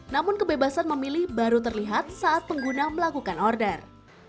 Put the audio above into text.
namun kebebasan memilih baru terlihat saat pengguna melakukan order